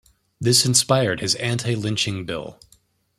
This inspired his anti-lynching bill.